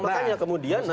makanya kemudian nah